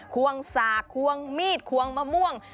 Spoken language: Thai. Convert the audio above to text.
ควงสากควงมีดควงมะม่วง